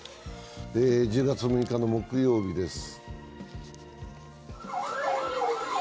１０月６日の木曜日です。